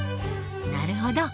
なるほど。